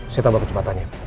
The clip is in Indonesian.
saya tambah kecepatannya